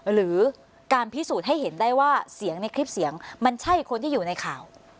หรือการพิสูจน์ให้เห็นได้ว่าเสียงในคลิปเสียงมันใช่คนที่อยู่ในข่าว